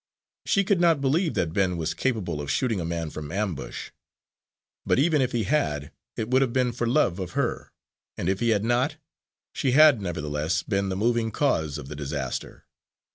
She could not believe that Ben was capable of shooting a man from ambush; but even if he had, it would have been for love of her; and if he had not, she had nevertheless been the moving cause of the disaster.